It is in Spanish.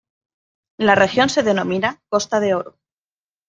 La región se denomina "Costa de Oro".